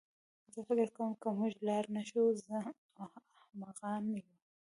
زه فکر کوم که موږ لاړ نه شو نو احمقان یو